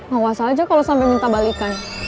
gak wasah aja kalau sampai minta balikan